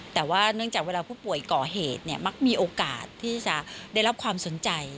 แต่ว่าเนื่องจากเวลาผู้ป่วยก่อเหตุเนี่ยมักมีโอกาสที่จะได้รับความสนใจ